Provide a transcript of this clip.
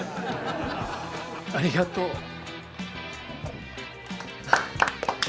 ありがとう。